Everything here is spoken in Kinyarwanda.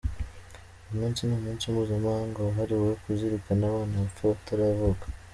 Uyu munsi ni umunsi mpuzamahanga wahariwe kuzirikana abana bapfa bataravuka.